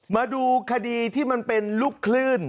มาดูคดีที่มันเป็นลูกคลื่น